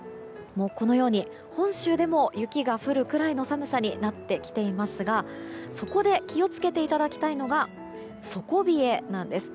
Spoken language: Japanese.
このように、本州でも雪が降るくらいの寒さになってきていますがそこで気を付けていただきたいのが底冷えなんです。